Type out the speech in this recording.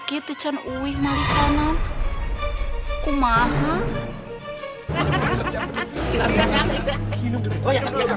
restrikan tempat untuk dia